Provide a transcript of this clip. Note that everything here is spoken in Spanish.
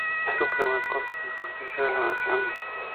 Suprema Corte de Justicia de la Nación.